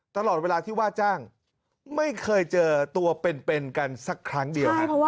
ตลอดเวลาที่ว่าจ้างไม่เคยเจอตัวเป็นกันสักครั้งเดียว